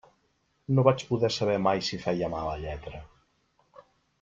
No vaig poder saber mai si feia mala lletra.